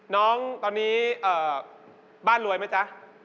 น้องตอนนี้บ้านรวยไหมจ๊ะ